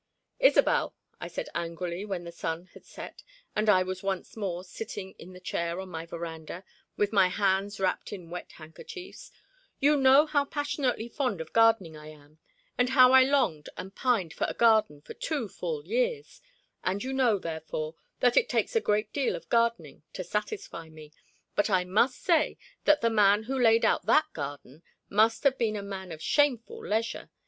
"Isobel," I said angrily, when the sun had set and I was once more sitting in the chair on my veranda, with my hands wrapped in wet handkerchiefs, "you know how passionately fond of gardening I am, and how I longed and pined for a garden for two full years, and you know, therefore, that it takes a great deal of gardening to satisfy me; but I must say that the man who laid out that garden must have been a man of shameful leisure.